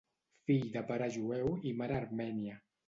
Fill de pare jueu i mare armènia.